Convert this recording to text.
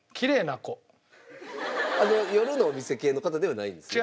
夜のお店系の方ではないんですね？